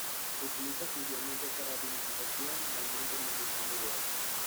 Se utiliza exclusivamente para vinificación, dando un rendimiento medio-alto.